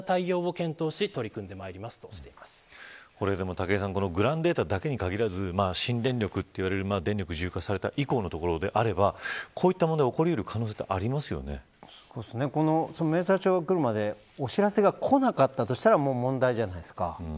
武井さんグランデータだけに限らず新電力といわれる電力自由化された以降のところであればこういった問題この明細書がくるまでお知らせがこなかったとしたら問題じゃないですか。